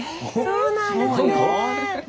そうなんですね。